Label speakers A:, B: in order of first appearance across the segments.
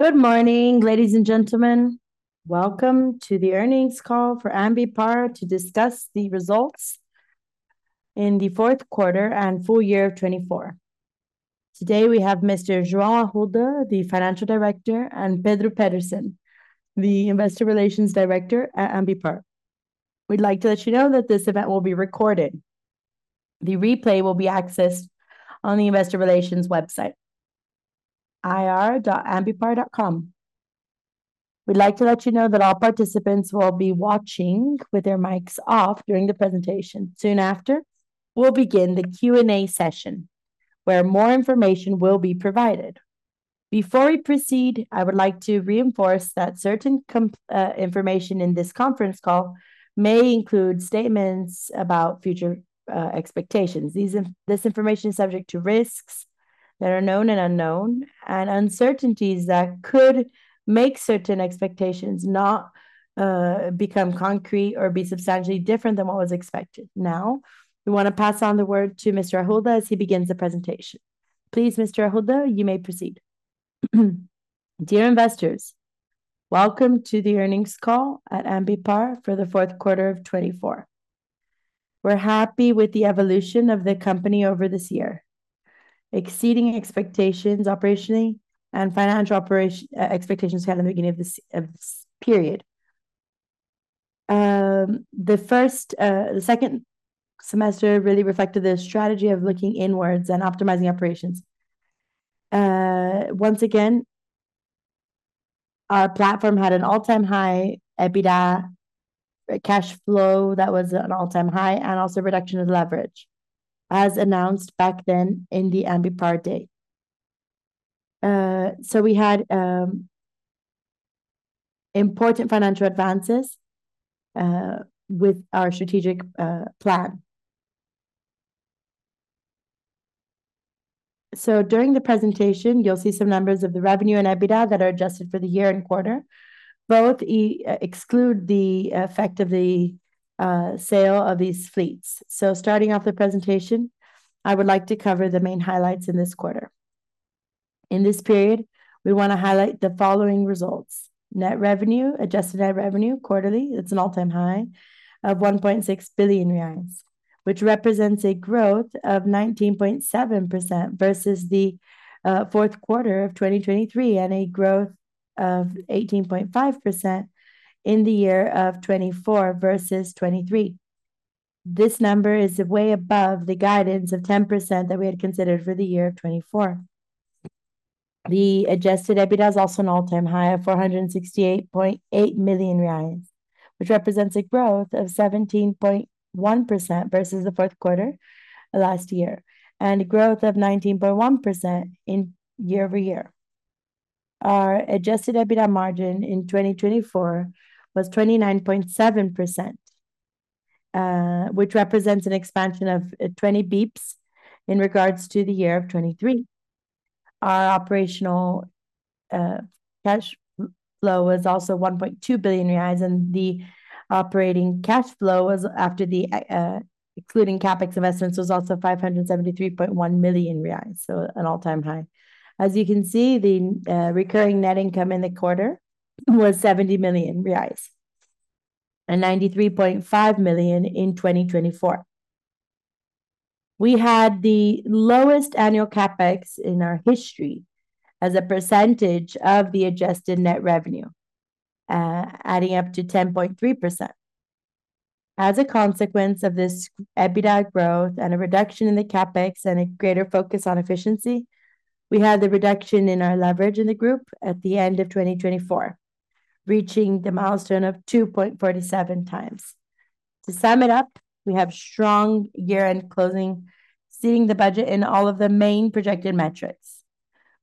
A: Good morning, ladies and gentlemen. Welcome to the earnings call for Ambipar to discuss the results in the fourth quarter and full year of 2024. Today we have Mr. João Arruda, the Financial Director, and Pedro Petersen, the Investor Relations Director at Ambipar. We'd like to let you know that this event will be recorded. The replay will be accessed on the Investor Relations website, ir.ambipar.com. We'd like to let you know that all participants will be watching with their mics off during the presentation. Soon after, we'll begin the Q&A session where more information will be provided. Before we proceed, I would like to reinforce that certain information in this conference call may include statements about future expectations. This information is subject to risks that are known and unknown and uncertainties that could make certain expectations not become concrete or be substantially different than what was expected. Now, we want to pass on the word to Mr. Arruda as he begins the presentation. Please, Mr. Arruda, you may proceed.
B: Dear investors, welcome to the earnings call at Ambipar for the fourth quarter of 2024. We're happy with the evolution of the company over this year, exceeding expectations operationally and financial expectations had at the beginning of this period. The second semester really reflected the strategy of looking inwards and optimizing operations. Once again, our platform had an all-time high EBITDA, cash flow that was at an all-time high, and also a reduction of leverage, as announced back then in the Ambipar Day. We had important financial advances with our strategic plan. During the presentation, you'll see some numbers of the revenue and EBITDA that are adjusted for the year and quarter. Both exclude the effect of the sale of these fleets. Starting off the presentation, I would like to cover the main highlights in this quarter. In this period, we want to highlight the following results: net revenue, adjusted net revenue quarterly, it's an all-time high of 1.6 billion reais, which represents a growth of 19.7% versus the fourth quarter of 2023, and a growth of 18.5% in the year of 2024 vs 2023. This number is way above the guidance of 10% that we had considered for the year of 2024. The Adjusted EBITDA is also an all-time high of 468.8 million reais, which represents a growth of 17.1% versus the fourth quarter last year and a growth of 19.1% year-over-year. Our Adjusted EBITDA margin in 2024 was 29.7%, which represents an expansion of 20 basis points in regard to the year of 2023. Our operational cash flow was also 1.2 billion reais, and the operating cash flow was, after including CapEx investments, also 573.1 million reais, so an all-time high. As you can see, the recurring net income in the quarter was 70 million reais and 93.5 million in 2024. We had the lowest annual CapEx in our history as a percentage of the adjusted net revenue, adding up to 10.3%. As a consequence of this EBITDA growth and a reduction in the CapEx and a greater focus on efficiency, we had the reduction in our leverage in the group at the end of 2024, reaching the milestone of 2.47 times. To sum it up, we have strong year-end closing, exceeding the budget in all of the main projected metrics,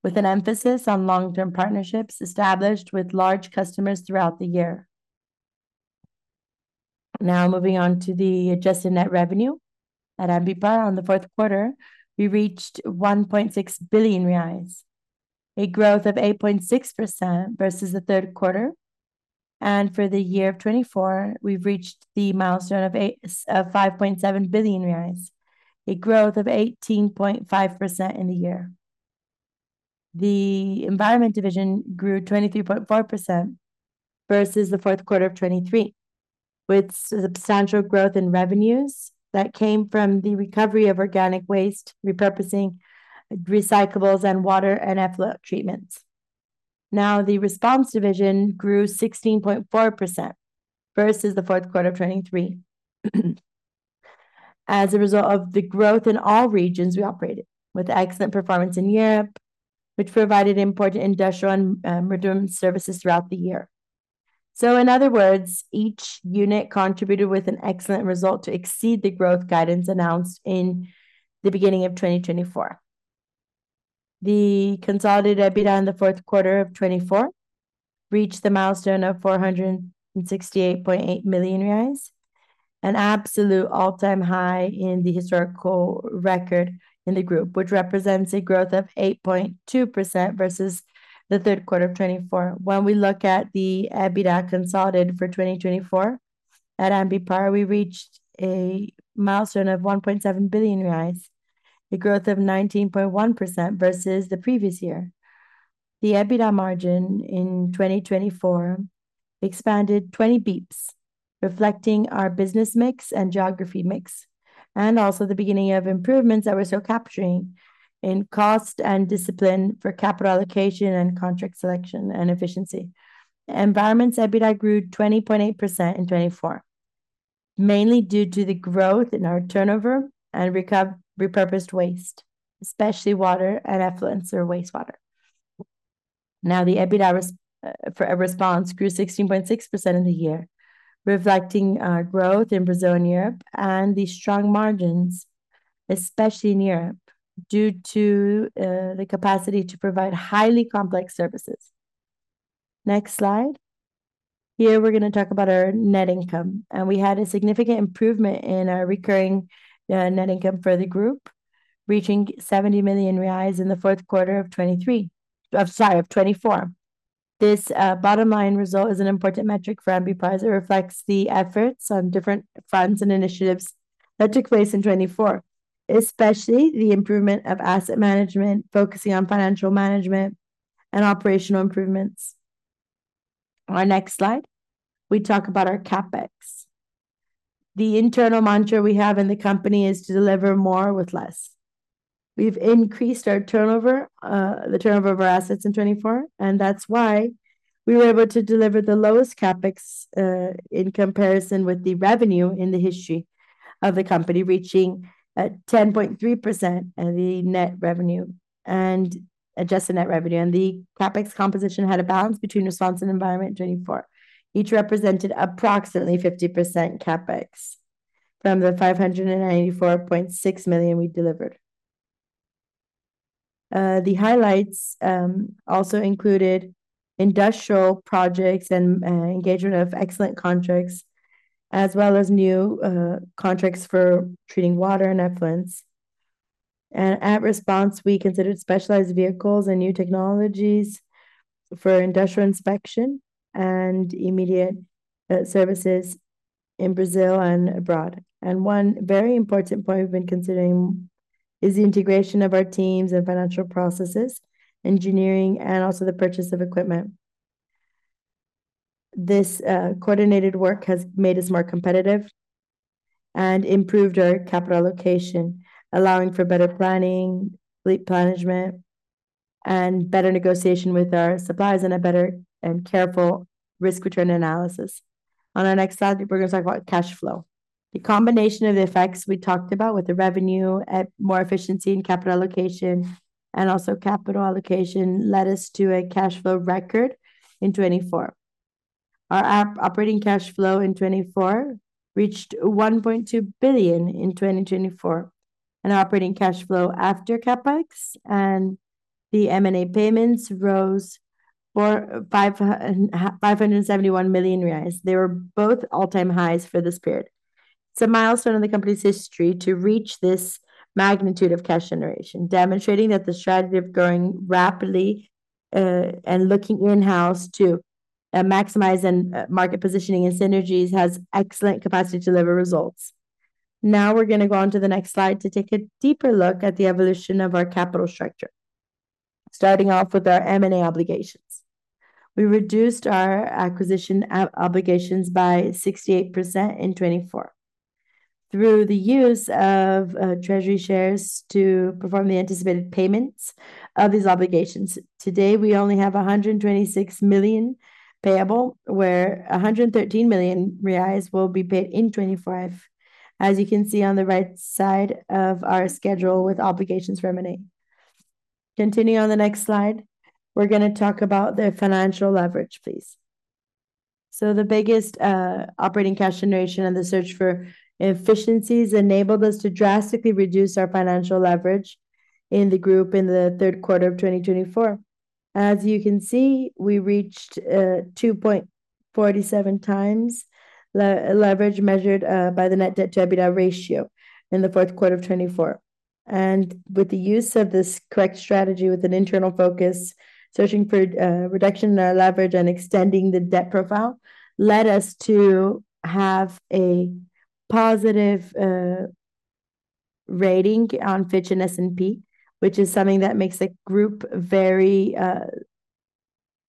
B: with an emphasis on long-term partnerships established with large customers throughout the year. Now, moving on to the adjusted net revenue at Ambipar in the fourth quarter, we reached BRL 1.6 billion, a growth of 8.6% versus the third quarter. For the year of 2024, we reached the milestone of 5.7 billion reais, a growth of 18.5% in the year. The Environment Division grew 23.4% versus the fourth quarter of 2023, with substantial growth in revenues that came from the recovery of organic waste, repurposing recyclables, and water and effluent treatments. The Response Division grew 16.4% versus the fourth quarter of 2023 as a result of the growth in all regions we operated, with excellent performance in Europe, which provided important industrial and modern services throughout the year. In other words, each unit contributed with an excellent result to exceed the growth guidance announced in the beginning of 2024. The consolidated EBITDA in the fourth quarter of 2024 reached the milestone of 468.8 million reais, an absolute all-time high in the historical record in the group, which represents a growth of 8.2% versus the third quarter of 2024. When we look at the EBITDA consolidated for 2024 at Ambipar, we reached a milestone of 1.7 billion reais, a growth of 19.1% versus the previous year. The EBITDA margin in 2024 expanded 20 basis points, reflecting our business mix and geography mix, and also the beginning of improvements that we're still capturing in cost and discipline for capital allocation and contract selection and efficiency. Environment's EBITDA grew 20.8% in 2024, mainly due to the growth in our turnover and repurposed waste, especially water and effluents or wastewater. Now, the EBITDA for Response grew 16.6% in the year, reflecting our growth in Brazil and Europe and the strong margins, especially in Europe, due to the capacity to provide highly complex services. Next slide. Here we are going to talk about our net income, and we had a significant improvement in our recurring net income for the group, reaching 70 million reais in the fourth quarter of 2023, sorry, of 2024. This bottom-line result is an important metric for Ambipar as it reflects the efforts on different funds and initiatives that took place in 2024, especially the improvement of asset management, focusing on financial management and operational improvements. On our next slide, we talk about our CapEx. The internal mantra we have in the company is to deliver more with less. We've increased our turnover, the turnover of our assets in 2024, and that's why we were able to deliver the lowest CapEx in comparison with the revenue in the history of the company, reaching 10.3% of the net revenue and adjusted net revenue. The CapEx composition had a balance between response and environment in 2024. Each represented approximately 50% CapEx from the 594.6 million we delivered. The highlights also included industrial projects and engagement of excellent contracts, as well as new contracts for treating water and effluents. At response, we considered specialized vehicles and new technologies for industrial inspection and immediate services in Brazil and abroad. One very important point we've been considering is the integration of our teams and financial processes, engineering, and also the purchase of equipment. This coordinated work has made us more competitive and improved our capital allocation, allowing for better planning, fleet management, and better negotiation with our suppliers and a better and careful risk-return analysis. On our next slide, we're going to talk about cash flow. The combination of the effects we talked about with the revenue, more efficiency in capital allocation, and also capital allocation led us to a cash flow record in 2024. Our operating cash flow in 2024 reached 1.2 billion in 2024, and our operating cash flow after CapEx and the M&A payments rose 571 million reais. They were both all-time highs for this period. It's a milestone in the company's history to reach this magnitude of cash generation, demonstrating that the strategy of growing rapidly and looking in-house to maximize market positioning and synergies has excellent capacity to deliver results. Now we're going to go on to the next slide to take a deeper look at the evolution of our capital structure. Starting off with our M&A obligations, we reduced our acquisition obligations by 68% in 2024 through the use of treasury shares to perform the anticipated payments of these obligations. Today, we only have 126 million payable, where 113 million reais will be paid in 2025, as you can see on the right side of our schedule with obligations remaining. Continuing on the next slide, we're going to talk about the financial leverage, please. The biggest operating cash generation and the search for efficiencies enabled us to drastically reduce our financial leverage in the group in the third quarter of 2024. As you can see, we reached 2.47 times leverage measured by the net debt to EBITDA ratio in the fourth quarter of 2024. With the use of this correct strategy with an internal focus, searching for reduction in our leverage and extending the debt profile led us to have a positive rating on Fitch and S&P, which is something that makes the group very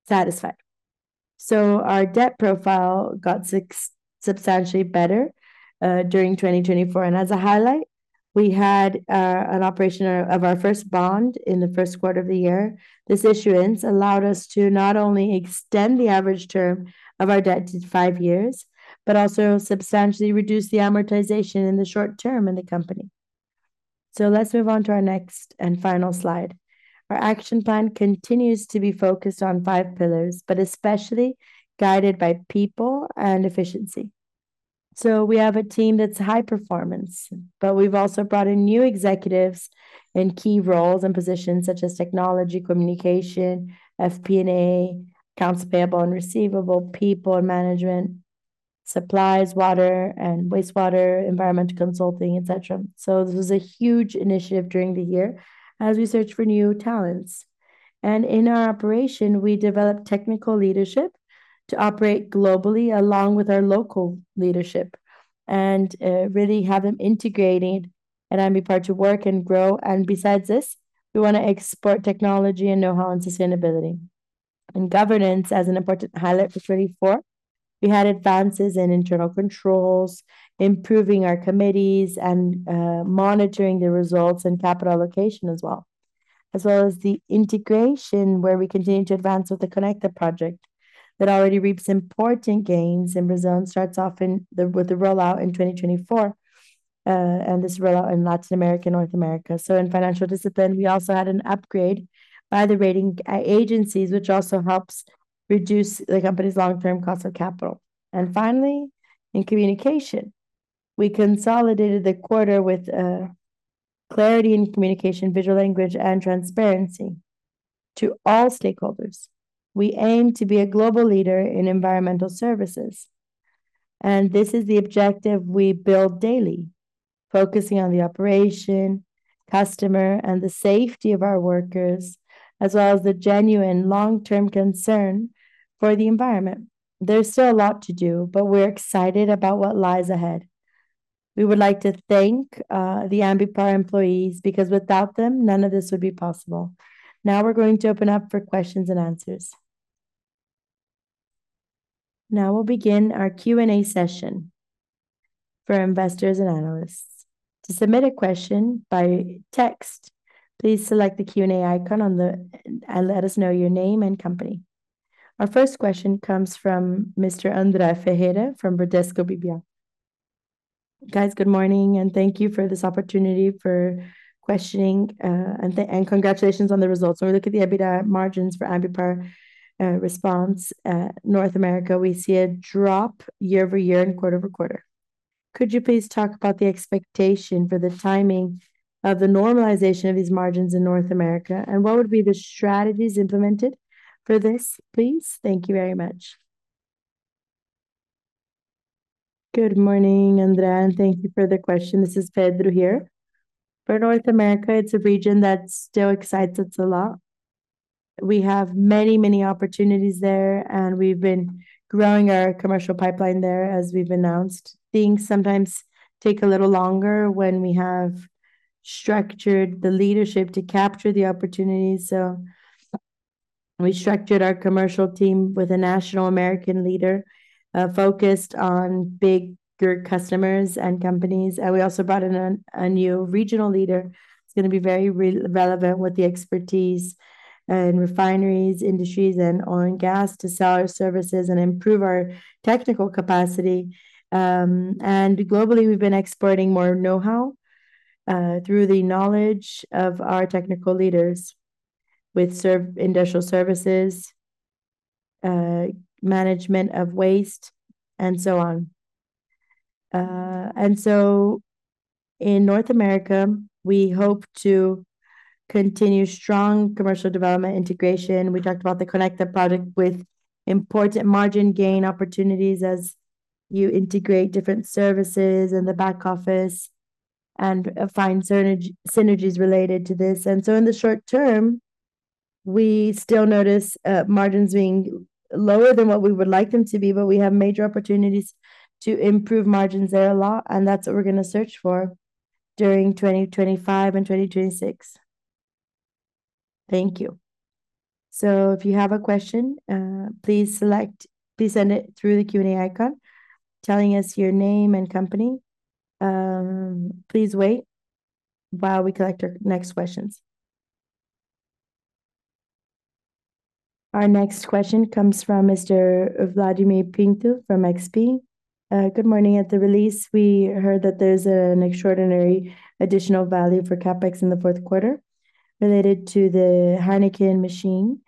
B: satisfied. Our debt profile got substantially better during 2024. As a highlight, we had an operation of our first bond in the first quarter of the year. This issuance allowed us to not only extend the average term of our debt to five years, but also substantially reduce the amortization in the short term in the company. Let's move on to our next and final slide. Our action plan continues to be focused on five pillars, but especially guided by people and efficiency. We have a team that's high performance, but we've also brought in new executives in key roles and positions such as technology, communication, FP&A, accounts payable and receivable, people and management, supplies, water and wastewater, environmental consulting, etc. This was a huge initiative during the year as we search for new talents. In our operation, we developed technical leadership to operate globally along with our local leadership and really have them integrated at Ambipar to work and grow. Besides this, we want to export technology and know-how and sustainability. Governance as an important highlight for 2024, we had advances in internal controls, improving our committees and monitoring the results and capital allocation as well, as well as the integration where we continue to advance with the Connecta project that already reaps important gains in Brazil and starts off with the rollout in 2024 and this rollout in Latin America and North America. In financial discipline, we also had an upgrade by the rating agencies, which also helps reduce the company's long-term cost of capital. Finally, in communication, we consolidated the quarter with clarity in communication, visual language, and transparency to all stakeholders. We aim to be a global leader in environmental services, and this is the objective we build daily, focusing on the operation, customer, and the safety of our workers, as well as the genuine long-term concern for the environment. There's still a lot to do, but we're excited about what lies ahead. We would like to thank the Ambipar employees because without them, none of this would be possible. Now we're going to open up for questions-and-answers.
A: Now we'll begin our Q&A session for investors and analysts. To submit a question by text, please select the Q&A icon and let us know your name and company. Our first question comes from Mr. Andre Ferreira from Bradesco BBI.
C: Guys, good morning, and thank you for this opportunity for questioning, and congratulations on the results. When we look at the EBITDA margins for Ambipar Response in North America, we see a drop year-over-year and quarter-over-quarter. Could you please talk about the expectation for the timing of the normalization of these margins in North America, and what would be the strategies implemented for this, please? Thank you very much.
D: Good morning, André, and thank you for the question. This is Pedro here. For North America, it is a region that still excites us a lot. We have many, many opportunities there, and we have been growing our commercial pipeline there as we have announced. Things sometimes take a little longer when we have structured the leadership to capture the opportunities. We structured our commercial team with a national American leader focused on bigger customers and companies. We also brought in a new regional leader. It is going to be very relevant with the expertise in refineries, industries, and oil and gas to sell our services and improve our technical capacity. Globally, we have been exporting more know-how through the knowledge of our technical leaders with industrial services, management of waste, and so on. In North America, we hope to continue strong commercial development integration. We talked about the Connecta project with important margin gain opportunities as you integrate different services in the back office and find synergies related to this. In the short term, we still notice margins being lower than what we would like them to be, but we have major opportunities to improve margins there a lot, and that is what we are going to search for during 2025 and 2026.
C: Thank you.
A: If you have a question, please send it through the Q&A icon telling us your name and company. Please wait while we collect our next questions. Our next question comes from Mr. Vladimir Pinto from XP.
E: Good morning. At the release, we heard that there is an extraordinary additional value for CapEx in the fourth quarter related to the Heineken machine.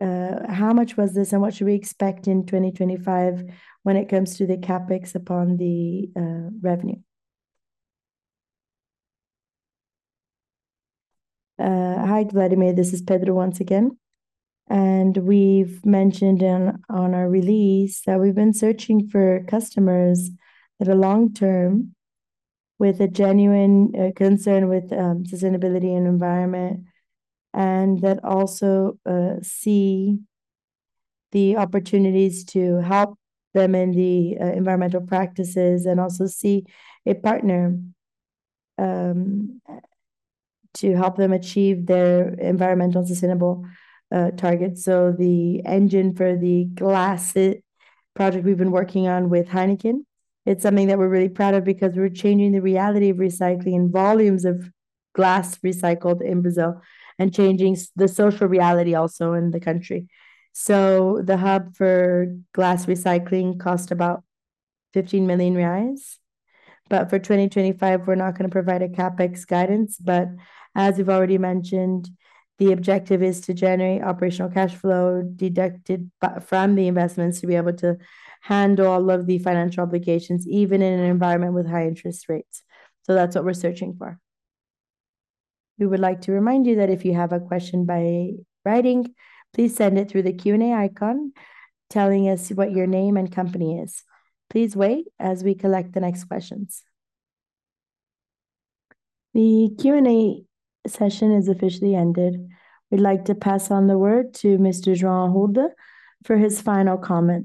E: How much was this and what should we expect in 2025 when it comes to the CapEx upon the revenue?
D: Hi, Vladimir. This is Pedro once again. We have mentioned on our release that we have been searching for customers that are long-term with a genuine concern with sustainability and environment, and that also see the opportunities to help them in the environmental practices and also see a partner to help them achieve their environmental sustainable targets. The engine for the glass project we have been working on with Heineken is something that we are really proud of because we are changing the reality of recycling and volumes of glass recycled in Brazil and changing the social reality also in the country. The hub for glass recycling costs about 15 million reais. For 2025, we are not going to provide a CapEx guidance. As we've already mentioned, the objective is to generate operational cash flow deducted from the investments to be able to handle all of the financial obligations, even in an environment with high interest rates. That's what we're searching for.
A: We would like to remind you that if you have a question by writing, please send it through the Q&A icon telling us what your name and company is. Please wait as we collect the next questions. The Q&A session is officially ended. We'd like to pass on the word to Mr. João Arruda for his final comments.